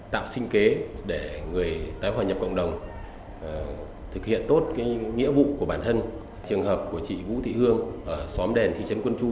trường hợp của chị vũ thị hương ở xóm đền thị trấn quân chu